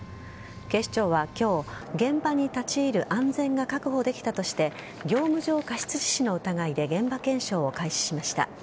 警視庁は今日現場に立ち入る安全が確保できたとして業務上過失致死の疑いで現場検証を開始しました。